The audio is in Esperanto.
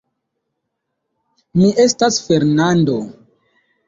Mi estas Fernando.